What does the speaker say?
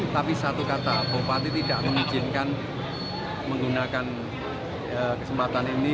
tapi satu kata bupati tidak mengizinkan menggunakan kesempatan ini